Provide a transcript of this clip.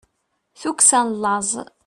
tukksa n laẓ